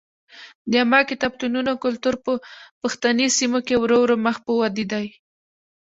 د عامه کتابتونونو کلتور په پښتني سیمو کې ورو ورو مخ په ودې دی.